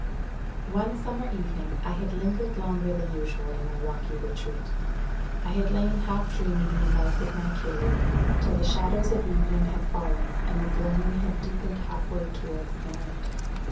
One summer evening, I had lingered longer than usual in my rocky retreat: I had lain half dreaming in the mouth of my cave, till the shadows of evening had fallen, and the gloaming had deepened half way towards the night.